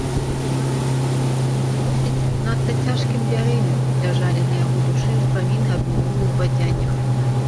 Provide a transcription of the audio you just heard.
Мусіць, надта цяжкім бярэмем ляжалі на яго душы ўспаміны аб мінулых бадзяннях.